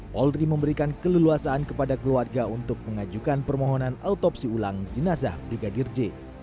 polri memberikan keleluasaan kepada keluarga untuk mengajukan permohonan autopsi ulang jenazah brigadir j